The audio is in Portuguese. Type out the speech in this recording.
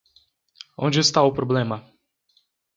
Onde está o problema?